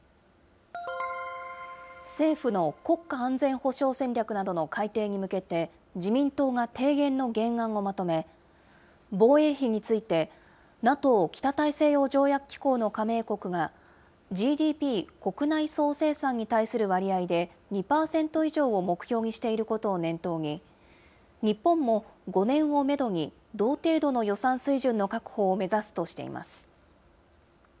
政府の国家安全保障戦略などの改定に向けて、自民党が提言の原案をまとめ、防衛費について、ＮＡＴＯ・北大西洋条約機構の加盟国が、ＧＤＰ・国内総生産に対する割合で２％以上を目標にしていることを念頭に、日本も５年をメドに、同程度の予算水準の確保を目指すとしています。